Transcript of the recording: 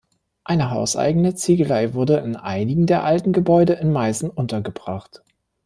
Eine hauseigene Ziegelei wurde in einigen der alten Gebäude in Meißen untergebracht.